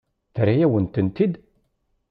Terra-yawen-tent-id?